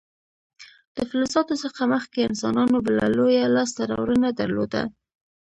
د فلزاتو څخه مخکې انسانانو بله لویه لاسته راوړنه درلوده.